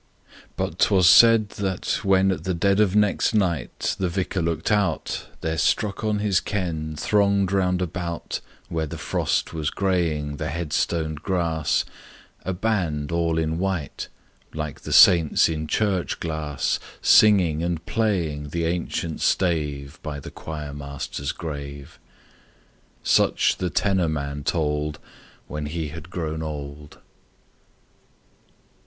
But 'twas said that, when At the dead of next night The vicar looked out, There struck on his ken Thronged roundabout, Where the frost was graying The headstoned grass, A band all in white Like the saints in church glass, Singing and playing The ancient stave By the choirmaster's grave. Such the tenor man told When he had grown old.